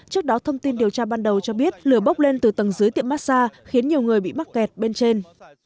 trước đó thông tin điều tra ban đầu cho biết lửa bốc lên từ tầng dưới tiệm massage khiến nhiều người bị mắc kẹt bên trên